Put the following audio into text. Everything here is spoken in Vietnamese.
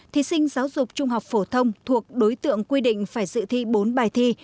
thí sinh giáo dục trung học phổ thông thuộc đối tượng quy định phải dự thi bốn bài thi